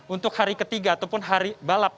untuk hari ketiga ataupun hari balap